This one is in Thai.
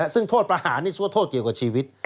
ซึ่งโทษประหารนี่ถือว่าโทษเกี่ยวกับชีวิต